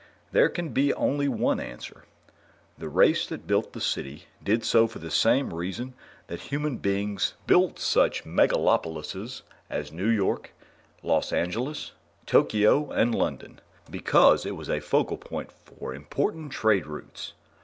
"There can be only one answer: The race that built the City did so for the same reason that human beings built such megalopolises as New York, Los Angeles, Tokyo, and London because it was a focal point for important trade routes.